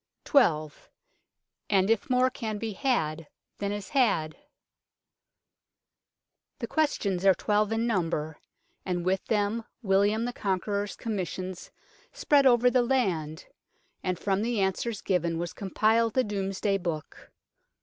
12. And if more can be had than is had ? THE questions are twelve in number, and with them William the Conqueror's Commissioners spread over the land, and from the answers given was compiled the Domesday Book.